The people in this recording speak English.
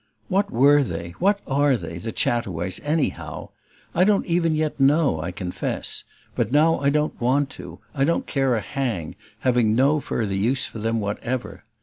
What were they, what ARE they, the Chataways, anyhow? I don't even yet know, I confess; but now I don't want to I don't care a hang, having no further use for them whatever.